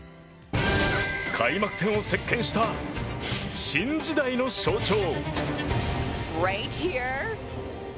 開幕戦を席巻した新時代の象徴。